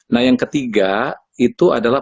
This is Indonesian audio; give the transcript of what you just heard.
nah yang ketiga itu adalah